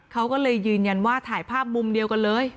เขาก็เลยยืนยันว่าถ่ายภาพมุมเดียวกันเลย